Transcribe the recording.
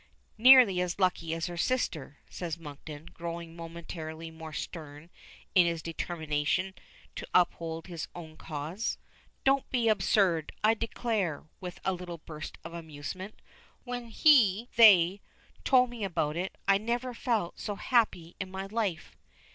"Nearly as lucky as her sister," says Monkton, growing momentarily more stern in his determination to uphold his own cause. "Don't be absurd. I declare," with a little burst of amusement, "when he they told me about it, I never felt so happy in my life."